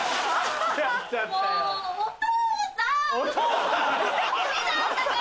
もうお父さん！